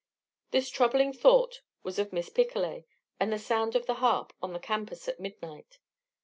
This troubling thought was of Miss Picolet and the sound of the harp on the campus at midnight.